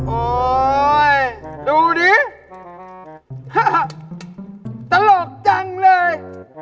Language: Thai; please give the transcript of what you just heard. โอ๊ยดูดิตลกจังเลย